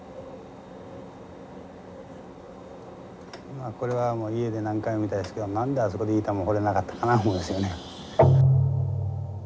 まあこれは家で何回も見たですけど何であそこでいい球放れなかったかな思いますよね。